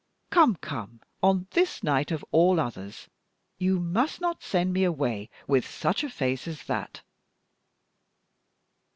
Come, come, on this night, of all others, you must not send me away with such a face as that."